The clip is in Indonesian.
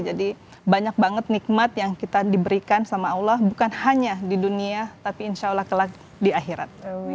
jadi banyak banget nikmat yang kita diberikan sama allah bukan hanya di dunia tapi insya allah kelak di akhirat